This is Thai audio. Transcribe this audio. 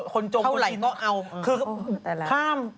คือข้าม